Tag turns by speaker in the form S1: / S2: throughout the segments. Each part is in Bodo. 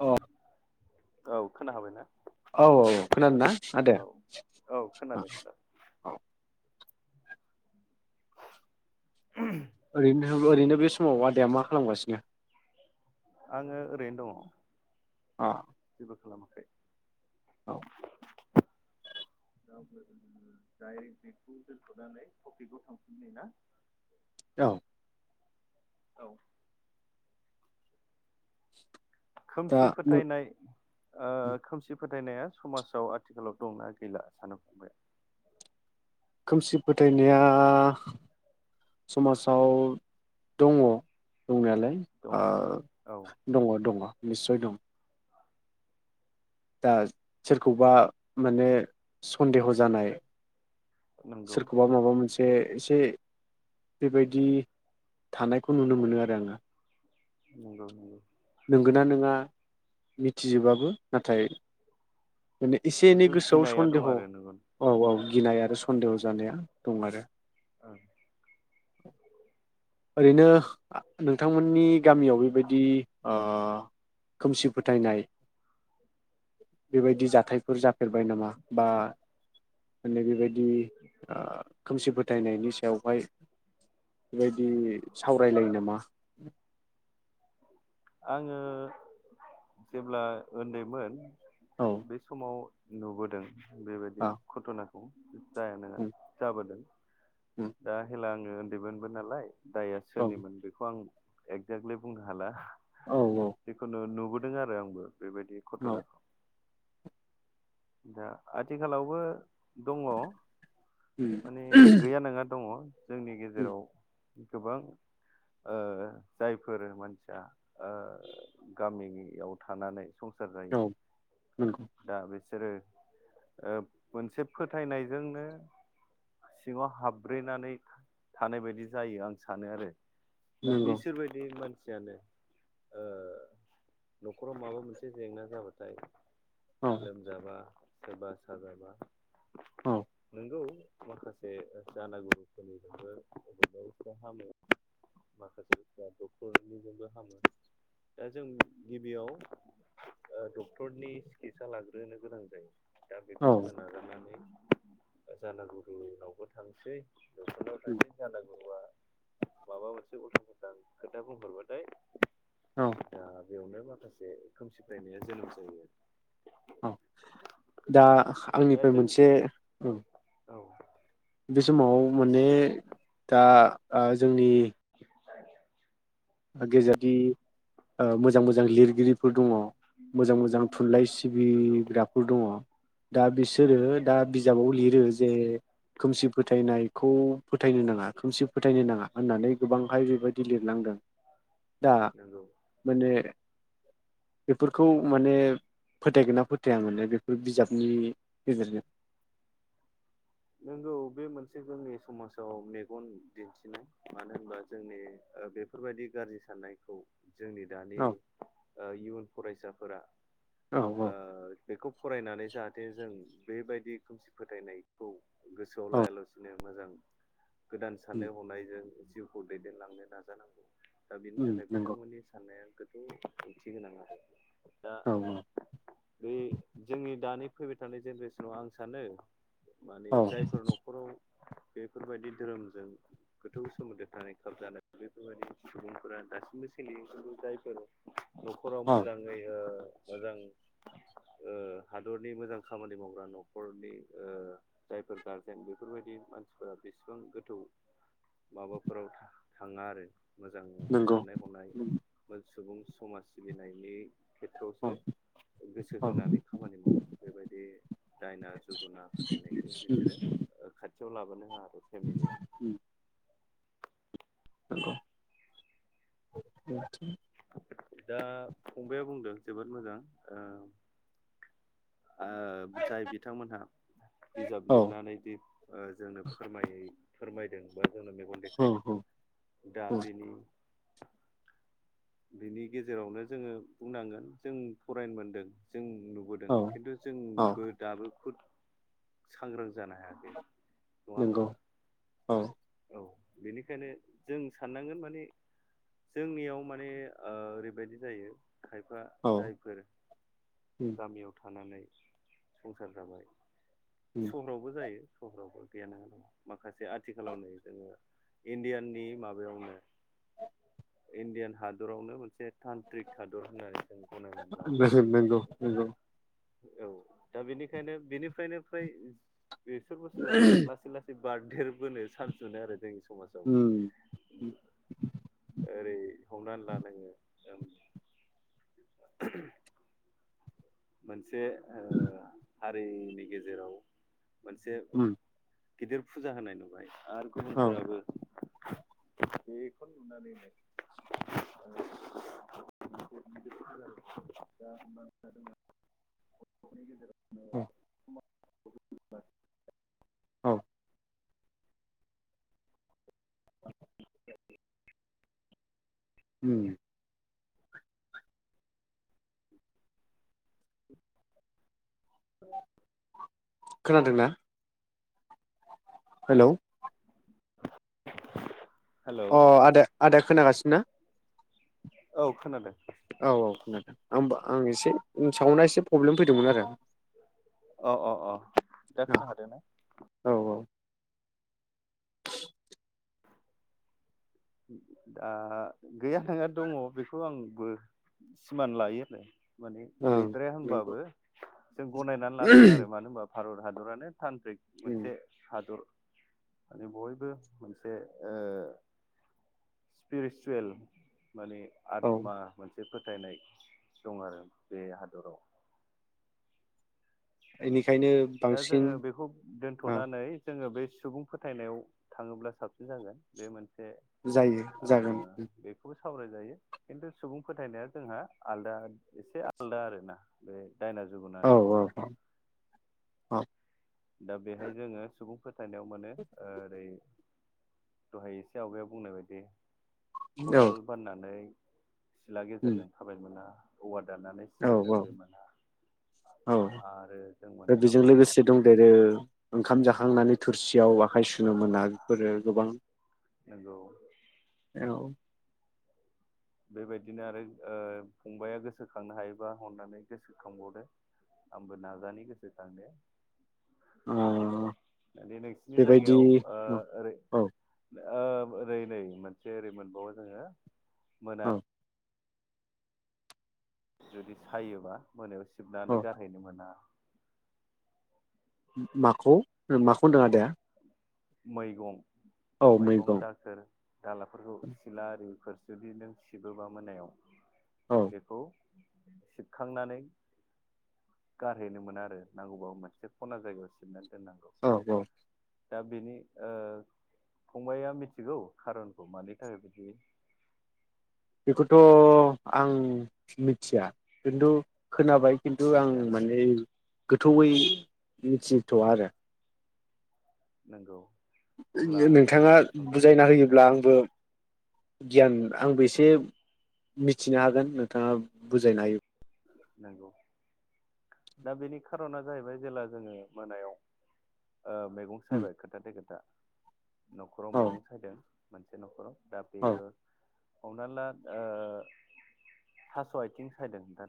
S1: अ
S2: औ। खोनाहाबाय ना?
S1: औ औ खोनादों ना ओ दे
S2: औ
S1: ओ
S2: खोनादों खोनादों
S1: औ। ओरैनो ओरैनो बे समाव आदाया मा खालामगासिनो?
S2: आंङो ओरैनो दङ'।
S1: अ'।
S2: जेबो खालामाखै।
S1: औ
S2: दा अब्ला जोङो डायरेक्ट नेखौ दोनथ'नानै टपिकाव थांफिननि ना
S1: औ
S2: औ
S1: दा
S2: खोमसि फोथायनाय ओ खोमसिफ फोथायनाया समाजाव आथिखालाव दंना गैला सानो फंबाय?
S1: सि फोथायनाया समाजाव दङ'। दंनायालाय
S2: दङ औ
S1: ओ दङ' दङ'। निस्सय दं। दा सोरखौबा माने सन्देह' जानाय
S2: नंगौ
S1: सोरखौबा माबा मोनसे। बे एसे बेबायदि थानायखौ नुनो मोनो आरो आङो।
S2: नोंगौ नोंगौ।
S1: नंगौना नङा मिथिजोबाबो नाथाय। माने एसे एनै
S2: खिन्थु
S1: गोसोआव
S2: गिनाया दं
S1: सन्देह
S2: आरो नंगौ
S1: औ औ। गिनाय आरो सन्देह जानाया दं आरो।
S2: औ।
S1: [inaudible] ओरैनो नोंथांमोननि गामियाव बेबायदि अ। खोमसि फोथायनाय। बेबायदि जाथायफोर जा। फेरबाय नामा बा। माने बेबायदि। [unintelligible] खोमसि फोथायनाय। फोथायनायनि सायावहाय बेबायदि। बिदि सावरायलायो नामा।
S2: आङो जेब्ला उन्दैमोन।
S1: औ
S2: बे समाव। नुबोदों। बेबायदि
S1: औ
S2: घट'ना। औ। जाया नङा
S1: उम
S2: जाबोदों।
S1: उम
S2: दा हेला। उन्दैमोनबो नालाय। दाया
S1: औ
S2: सोरोनिमोन बेखौ आं। एक्जेक्लि। बुंनो हाला।
S1: औ
S2: जेखुनु नुबो नुदों आरो आंबो। बेबायदि
S1: औ
S2: घट'नाखौ। दा आथिखालावबो। दङ
S1: उम
S2: माने गैया नङा दङ। जोंनि
S1: उम।
S2: गेजेराव गोबां ओ जायफोर मानसिया गामियाव थानानै। संसार जायो
S1: औ नंगौ
S2: दा बे। बिसोरो मोनसे फोथायनायजोंनो सिङाव हाबब्रैनानै थानाय बायदि जायो आं सानो आरो। दा
S1: नंगौ
S2: बिसोर बायदि मान मानसियानो ओ न'खराव माबा मोनसे जेंना जाबाथाय,
S1: औ
S2: सोबा साजाबा
S1: औ
S2: नंगौ माखासे जानागुरुफोरनिजोंबो बबबा हामो माखासेफ्रा डक्टरनिजोंबो हामो दा जों गिबियाव डक्टरनि सिकितसा लागोन होनो गोनां जायो। दा बेखौ
S1: औ
S2: जोङो नागारनानै, जानागुरुनावबो थांसै न'खराव
S1: उम
S2: थाइसे जानांगौआ माबा मोनसे उलथां फालथां खोथा बुंहरबाथाय
S1: औ
S2: ओ बेयावनो माखासे खोमसि फोथायनाया जोनोम जायो।
S1: औ दा
S2: दा
S1: आंनिफ्राय
S2: जों
S1: मोनसे औ
S2: औ
S1: बे समाव माने दा ओ जोंनि गेजेरनि ओ मोजां मोजां लिरगिरिफोर दङ, मोजां मोजां थुनलाइ
S2: नंगौ
S1: सिबिग्राफोर दङ दा बिसोरो दा
S2: नंगौ
S1: बिजाबाव लिरो जे खोमसि, फोथायनायखौ फोथायनो नाङा खोमसि फोथायनो नाङा होननानै गोबांहाय बेबायदि लिरलांदों, दा
S2: नंगौ
S1: माने बेफोरखौ माने फोथायगोन ना फोथाया माने बेफोर बिजाबनि गेजेरजों,
S2: नोंगौ बे मोनसे जोंनि समाजाव मेगन दिन्थिनाय मानो होनबा जोंनि बेफोरबायदि गाज्रि साननायखौ जोंनि दानि
S1: औ
S2: ओ इयुन, फरायसाफोरा
S1: औ
S2: ओ
S1: औ
S2: बेखौ फरायनानै जाहाथे जों बेबायदि खोमसि फोथायनाय औ गोसोआव
S1: औ
S2: लाया लासिनो मोजां गोदान
S1: उम
S2: साननाय हनायजों जिउखौ दैदेनलांनो नाजानांगौ दा बिनि
S1: उम
S2: थाखाय
S1: नंगौ
S2: बिथांमोननि साननाया गो दिन्थि गोनां आरो दा
S1: औ औ
S2: बे जोंनि दानि फैबाय थानाय जेनेरेसनाव आं सानो माने
S1: औ
S2: जायफोर न'खराव बेफोरबायदि धोरोमजों गोथौ सोमोन्दो थानाय खाबजानाय बेफोरबायदि सुबुंफोरा दासिमबो सोलियो बेफोरखौ जायफोर न'खराव
S1: औ
S2: मोजाङै ओ मोजां ओ हादरनि मोजां खामानि मावग्रा न'खरनि ओ जायफोर गारजेन बेफोरबायदि मानसिफोरा बेसेबां गोथौ माबाफोराव थाङा आरो मोजां
S1: नंगौ
S2: साननाय हनाय मोजां सुबुं समाज सिबिनायनि खेथ्र'आवसो
S1: औ
S2: गोसो
S1: औ
S2: होनानै खामानि मावो बेबायदि दायना जुग गुना फोथायनायखौ बिसोरो ओ खा थिआव लाबोनो होआ फेमिलियाव
S1: उम नंगौ [unintelligible]
S2: दा फंबाया बुंदों जोबोद मोजां ओ ओ जाय बिथांमोनहा बिजाब
S1: औ
S2: लिरनानै दि ओ जोंनो फोरम फोरमायदों बा जोंनो मेगन देखायदों
S1: औ
S2: दा
S1: औ
S2: बेनि बिनि गेजेरावनो जोङो बुंनांगोन जों फरायनो मोनदों जों नुबोदों
S1: औ
S2: खिन्थु
S1: औ
S2: जोंबो दाबो खुद सांग्रां जानो हायाखै नङा
S1: नंगौ
S2: होमबा
S1: औ
S2: औ बेनिखायनो जों साननांगोन माने जोंनियाव माने ओ ओरैबायदि जायो। खायफा
S1: औ
S2: जायफोर
S1: नंगौ
S2: गामियाव थानानै। संसार जाबाय। सहरावबो जायो। सहावबो गैयाना माखासे आथिखालाव नै। जोङो इण्डियाननि माबायावनो इण्डियान हादरावनो मोनसे तान्त्रिक हादर होननानै जों गनायनानै
S1: नंगौ
S2: लानांगोन। औ दा बेनिखायनो बेनिफ्रायनो फ्राय बेसोर बुस्थुआ लासै लासै बारदेरबोनो सानस [unintelligible] समाजाव ओरै हमनानै ला नोङो। [unintelligible] मोनसे ओ
S1: [unintelligible]
S2: हारिनि गेजेराव। मोनसे गिदिर फुजा होनाय नुबाय आरो
S1: औ
S2: गुबुनफोराबो बेखौनो नुनानै [unintelligible] [unintelligible]
S1: औ।
S2: [unintelligible]
S1: औ।
S2: [unintelligible]
S1: उम।
S2: [inaudible]
S1: खोनादों ना। हेलौ।
S2: हेलौ
S1: अ आदे आदे। खोनागासिनो ना।
S2: औ खोनादों।
S1: औ औ खोनादों आंबा आं एसे सावना एसे प्रब्लेम फैदोंमोन आरो।
S2: अ अ अ दा खोनाखादों ने।
S1: औ
S2: दा गैया नङा दङ बेखौ माने
S1: ओं
S2: गैद्राया
S1: नंगौ
S2: होनबाबो! भारतहादोरानो। थान्द्रिक मोनसे हादर माने बयबो मोनसे ओ सिप्रिसुवेल माने
S1: औ
S2: आतमा मोन मोनसे फोथायनाय दं आरो बे हादराव।
S1: एनि
S2: दा जोङो बेखौ दोनथ'नानै जोङो बे सुबुं फोथायनायाव थाङोब्ला साबसिन जागोन बे मोन
S1: जायो जागोन।
S2: बेखौबो सावरायजायो खिन्थु सुबुं फोथायनाया जोंहा आलदा एसे आलदा आरो ना दायना
S1: औ
S2: जुगुनानै
S1: औ
S2: नङा
S1: औ
S2: दा बेहाय जोङो सुबुंफोर फोथायनायाव मोनो ओरै दहाय एसे आवगायाव बुंनाय बायदि खदाल बाननानै सिथला गेजेरजों थाबाय मोना औवा दाननानै
S1: औ
S2: सिलायाव दोनफैनो मोना
S1: औ
S2: आरो जों मोननो हाबावो
S1: ओ ओंखाम जाखांनानै थोरसियाव आखाइ सु सुनो मोना बेफोरो गोबां
S2: नोंगौ
S1: ओ
S2: बेबायदिनो आरो ओ फंबाया गोसोखांनो हायोबा अननानै गोसोखांबावदो आंबो नाजानि गोसोखांनो। बे नोंसिनि
S1: बेबायदि
S2: जायगायाव ओ
S1: औ
S2: ओरै
S1: औ
S2: ओ ओरै नै मोनसे ओरै मोनबावो जोङो। मोना
S1: औ
S2: जुदि सायोबा मोनायाव सिबनानै
S1: औ
S2: गारहैनो मोना
S1: माखौ माखौ होनदों आदाया?
S2: मैगं मैगं दाखोर दालाफोरखौ सिला आरिफोर जुदि नों सिबोबा मोनायाव
S1: औ
S2: बेखौ सिबखांनानै गारहैनो मोना आरो नांगौबाबो मोनसे खना जायगायाव सिबना दोननांगौ
S1: औ औ
S2: दा बेनि ओ फंबाया मिथिगौ खारनखौ मानि थाखाय बिदि
S1: बे खौथ' आं मिथिया खिन्थु खोनाबाय। खिन्थु आं
S2: मिथियाना
S1: माने गोथौयै मिथिथआ आरो।
S2: नंगौ। अब्ला आं
S1: नोंथाङा
S2: सुंद'यै
S1: बुजायना होयोब्ला
S2: खोन्थानो
S1: आंबो गियान आंबो एसे मिथिनो हागोन नोंथाङा बुजायना
S2: नंगौ दा बेनि खार'ना जाहैबाय जेला जोङो मोनायाव ओ मैगं सायबाय खोथा थे खोथा न'खराव
S1: औ
S2: मैगं सायदों। मोनसे न'खराव। दा
S1: औ
S2: बेयो हमनानै ला ओ थास' आथिं सायदों दा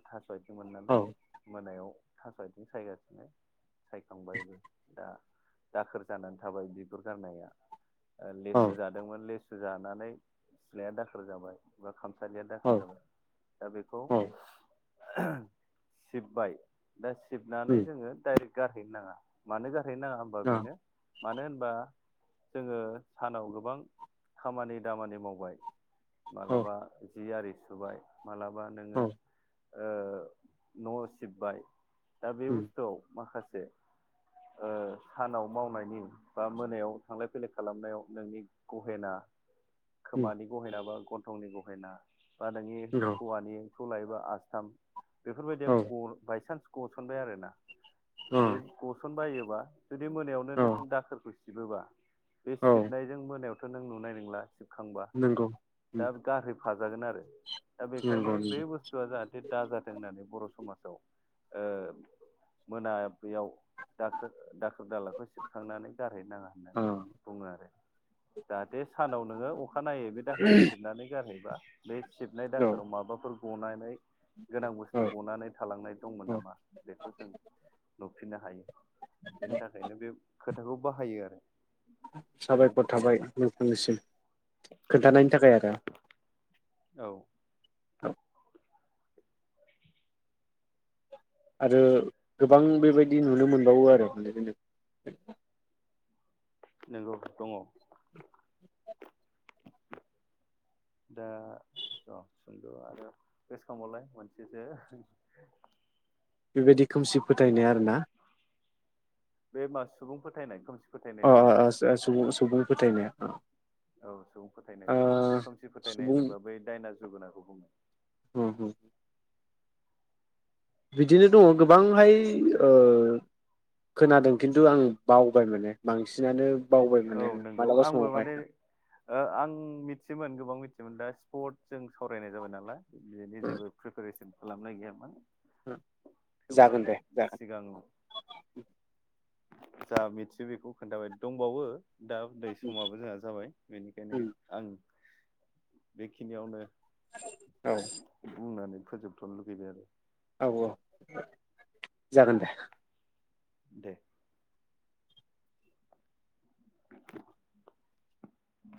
S1: औ
S2: [unintelligible] मोनायाव। थास' आथिं सायगासिनो सायखांबायबो दा दाखोर जानानै थाबाय बिगुर गारनाया। ओ
S1: औ
S2: लेसु जादोंमोन ले जानानै सिलाया दाखोर जाबाय बा खाम सालिया
S1: औ
S2: दाखोर जाबाय दा बेखौ
S1: औ
S2: [unintelligible] सिबबाइ। दा सिबनानै
S1: उम
S2: जोङो डाइरेक्ट गारहैनो नाङा मानो जा गारहैनो नाङा होमबा
S1: आ
S2: बेनो मानो होनबा जोङो सानाव गोबां खामानि दामानि मावबाय।
S1: औ
S2: मालाबा जि आरि सुबाय। मालाबा नोङो
S1: औ
S2: ओ न' सिब्बाय। दा बे
S1: उम
S2: बुस्थुआव माखासे से ओ सानाव मावनायनि बा मोनायाव थांलाय फैलाय खालामनायाव नोंनि गहेना
S1: उम
S2: खोमानि गहेनाबा गन्थंनि गहेना। बा नोंनि
S1: नंगौ
S2: हौवानि खौ लायोबा आ थाम। बेफोरबायदिया
S1: औ
S2: ग बायसान्स गसनबाय आरो ना
S1: अ
S2: बे गसन बायो बा जुदि मोनायावनो
S1: औ
S2: नों दाखोरखौ सिबोबा बे
S1: औ
S2: सिबनायजों मोनायाव बेखौ नों नुनाय नंला सिबखांबा
S1: नंगौ
S2: दा
S1: उम
S2: गारहै फाजागोन आरो दा बेखायनो
S1: नंगौ
S2: बे
S1: नंगौ
S2: बुस्थुआ जाहाथे दा जाथों होननानै बर' समाजाव ओ मोनाब्लियाव दाखो दाखोर दालाखौ सिबखांनानै गारहैनो नाङा
S1: अ
S2: होननानै बुङो आरो जाहाथे सानाव नोङो अ अखानायै बे दाखोरखौ सिबनानै गारहैबा बे सिबनाय दाखोराव माबाफोर गनानै गोनां
S1: औ
S2: बुस्थु गनानै थालांनाय दंमोन
S1: औ
S2: नामा बेखौ जों नु फिननो हायो बिनि थाखायनो बे खोथाखौ बाहायो आरो सुबुं
S1: साबायखर थाबाय
S2: फोथायनाय
S1: नोंथांनिसिम खोन्थानायनि थाखाय आरो
S2: औ
S1: औ आरो गोबां बेबायदि नुनो मोनबावो आरो उन्दै उन्दै
S2: नंगौ दङ दा ज सोंद' आरो गोसोखांबावलाय मोनसेसो
S1: बेबायदि खोमसि फोथायनाया
S2: बे मास सुबुं फोथायनाय खोमसि फोथायनाय
S1: अ
S2: नङा
S1: अ
S2: बेयो
S1: अ सु- सुबुं सुबुं फोथायनाया
S2: औ सुबुं फोथायनाय बेयो
S1: ओ
S2: खोमसि फोथायनाय
S1: सुबुं
S2: होनोबा बै दायना जोगोनाखौ बुङो
S1: उम उम बिदिनो दङ गोबांहाय ओ खोनादों खिन्थु आं बावबाय माने बांसिन
S2: औ नंगौ आंबो
S1: समावहाय
S2: माने आं मिथियोमोन गोबां मिथि योमो दा स्पर्ट जों सावरायनाय जाबाय नालाय बेनि जेबो प्रिपेरेसन खालामनाय गैया मोन
S1: उम जागोन दे
S2: सिगां
S1: जागोन।
S2: जा मिथियो बेखौ खोन्थाबाय। दंबावो दा उन्दै समाबो जोंहा जाबाय बेनिखायनो
S1: जागोन
S2: आं बेखिनियावनो
S1: औ
S2: बुंनानै फोजोब थनो लुगैबाय आरो।
S1: औ औ जागोन दे।
S2: दे।